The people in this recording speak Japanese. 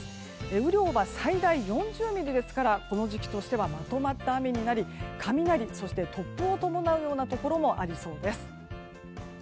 雨量は最大４０ミリですからこの時期としてはまとまった雨になり雷、突風を伴うようなところもありそうです。